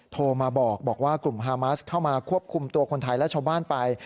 โทรมาบอกว่ากลุ่มฮามัสเข้ามาควบคุมตัวคนไทยและชาวบ้านไป